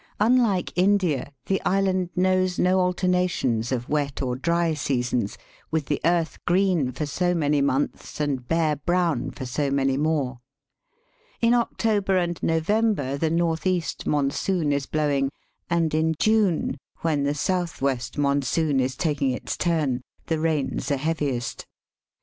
Unlike India, the island knows no alternations of wet or dry seasons, with the earth green for so many months and bare brown for so many more. In October and November the north east monsoon is blowing, and in June, when the south west monsoon is taking its turn, the rains are heaviest.